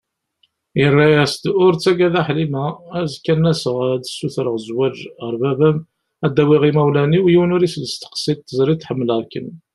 Yerra-as-d: Ur ttaggad a Ḥlima, azekka ad n-aseɣ ad sutreɣ zwaǧ ar baba-m, ad d-awiɣ imawlan-iw, yiwen ur isel tseqsiḍt, teẓriḍ ḥemmleɣ-kem.